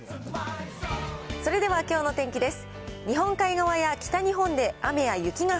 それではきょうの天気です。